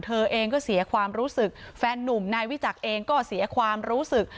เธอเองก็เสียความรู้สึกแฟนนุ่มนายวิจักรเองก็เสียความรู้สึก